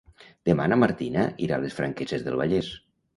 Demà na Martina irà a les Franqueses del Vallès.